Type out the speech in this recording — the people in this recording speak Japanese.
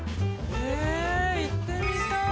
へえ行ってみたい。